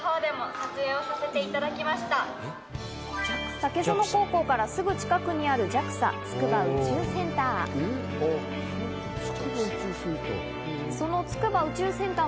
竹園高校からすぐ近くにあるＪＡＸＡ筑波宇宙センター。